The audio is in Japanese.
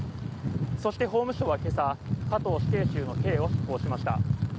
そして法務省は今朝加藤死刑囚の刑を執行しました。